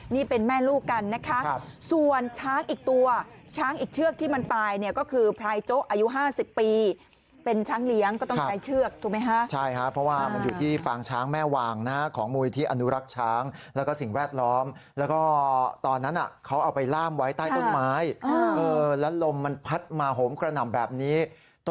นี่เป็นแม่ลูกกันนะคะส่วนช้างอีกตัวช้างอีกเชือกที่มันตายเนี่ยก็คือพรายโจ๊อายุ๕๐ปีเป็นช้างเลี้ยงก็ต้องใช้เชือกถูกไหมฮะใช่ครับเพราะว่ามันอยู่ที่ปางช้างแม่วางนะฮะของมูลที่อนุรักษ์ช้างแล้วก็สิ่งแวดล้อมแล้วก็ตอนนั้นเขาเอาไปล่ามไว้ใต้ต้นไม้แล้วลมมันพัดมาโหมกระหน่ำแบบนี้ต